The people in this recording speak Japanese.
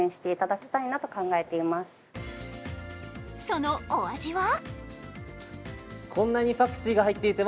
そのお味は？